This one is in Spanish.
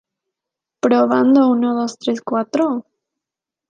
La denominación protege la producción de dos variedades de uva blanca, ideal y aledo.